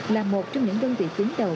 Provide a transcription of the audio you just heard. là một trong những đơn vị tuyến đầu